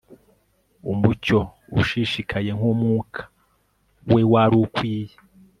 Umucyo ushishikaye nkumwuka we wari ukwiye